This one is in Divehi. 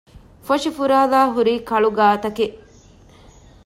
ފޮށި ފުރާލާ ހުރީ ކަޅު ގާތަކެއް